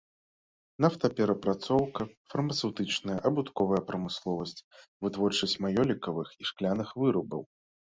Нафтаперапрацоўка, фармацэўтычная, абутковая прамысловасць, вытворчасць маёлікавых і шкляных вырабаў.